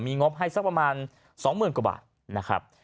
มีงบให้สักประมาณ๒เมืองกว่าบาท